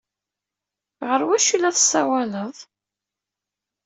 Ɣef wacu ay la tessawaleḍ?